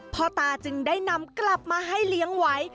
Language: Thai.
พ่อตาจึงได้นำกลับมาให้เลี้ยงไว้